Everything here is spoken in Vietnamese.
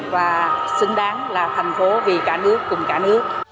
và xứng đáng là thành phố vì cả nước cùng cả nước